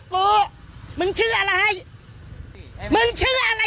คุณจะแบบนี่ไง